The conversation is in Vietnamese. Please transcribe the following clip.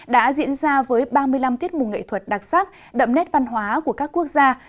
đã diễn ra với ba mươi năm tiết mục nghệ thuật đặc sắc đậm nét văn hóa của các quốc gia